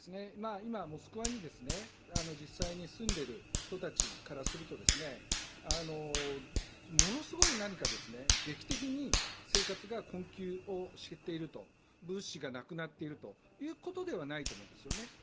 今、モスクワに実際に住んでいる人たちからするとものすごい何か劇的に生活が困窮をしている、物資がなくなっているということではないと思うんですよね。